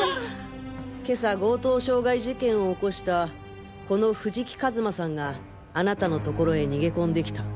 今朝強盗傷害事件を起こしたこの藤木一馬さんがあなたのところへ逃げ込んできた。